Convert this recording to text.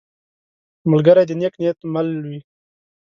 ملګری د نیک نیت مل وي